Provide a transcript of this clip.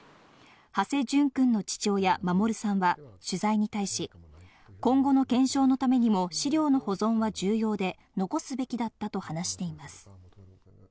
土師淳君の父親・守さんは取材に対し、今後の検証のためにも資料の保存は重要で、残すべきだったと話しています。